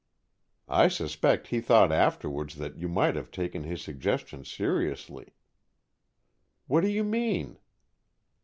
"I suspect he thought afterwards that you might have taken his suggestion seriously." "What do you mean?"